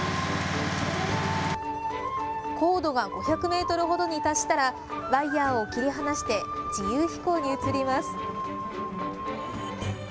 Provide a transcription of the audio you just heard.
高度が５００メートルほどに達したらワイヤーを切り離して自由飛行に移ります。